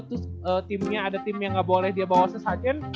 terus timnya ada tim yang gak boleh dia bawa sesajen